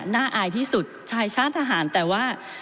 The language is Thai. น่าอายที่สุดชายช้าทหารแต่ว่า